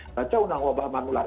baca undang undang wabah manulat